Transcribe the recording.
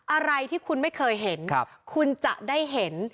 อะไรที่คุณไม่เคยเห็นคุณจะได้เห็น